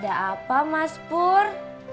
ada apa mas pur